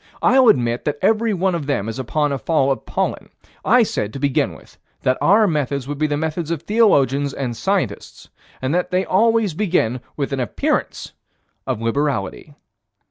I'll admit that every one of them is upon a fall of pollen. I said, to begin with, that our methods would be the methods of theologians and scientists, and they always begin with an appearance of liberality.